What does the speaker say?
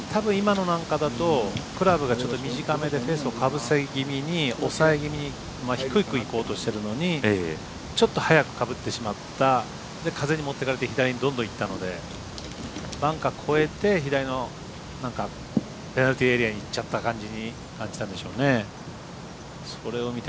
たぶん今のなんかだとクラブがちょっと短めでフェースをかぶせ気味に押さえ気味に低くいこうとしてるのにちょっと早くかぶってしまった風に持っていかれて左にどんどん行ったのでバンカー越えて左のペナルティーエリアに行っちゃったように感じたんでしょうね。